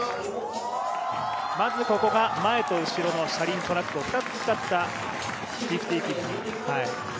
まずここが前と後ろの車輪トラックを２つ使った５０−５０。